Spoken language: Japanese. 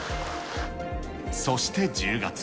そして１０月。